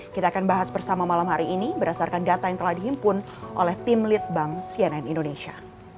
kita akan bahas bersama malam hari ini berdasarkan data yang telah dihimpun oleh tim litbang cnn indonesia